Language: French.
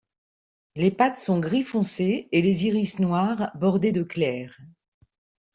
Les pattes sont gris foncé et les iris noirs bordés de clair.